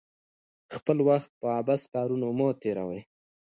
خپل وخت په عبث کارونو مه تیروئ.